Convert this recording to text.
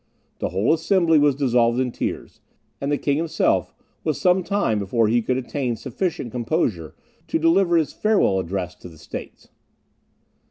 The whole assembly was dissolved in tears, and the King himself was some time before he could attain sufficient composure to deliver his farewell address to the States.